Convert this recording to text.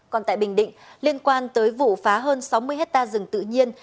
còn tại bình định liên quan tới vụ phá hơn sáu mươi hectare rừng tự nhiên